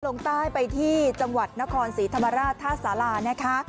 ลงใต้ไปที่จังหวัดนครศรีธรรมราชท่าสารานะคะ